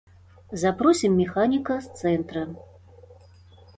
Запросім механіка з цэнтра.